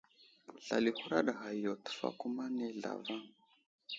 Slal i huraɗ ghay yo tefakuma nay zlavaŋ.